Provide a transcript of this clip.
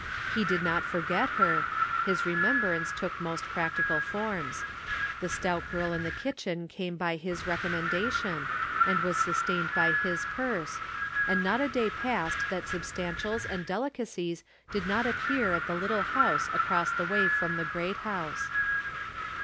He did not forget her. His remembrance took most practical forms. The stout girl in the kitchen came by his recommendation, and was sustained by his purse, and not a day passed that substantials and delicacies did not appear at the little house across the way from the great house.